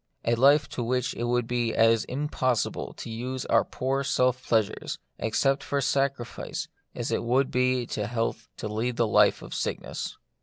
— a life to which it would be as impossible to use our poor self pleasures, except for sacrifice, as it would be to health to lead the life of sickness.